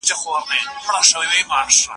لږ بدلون له بلې ښځې اخېستل کېږي.